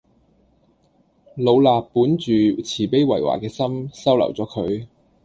老衲本住慈悲為懷嘅心，收留咗佢